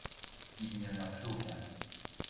Il n'y en a plus aucun.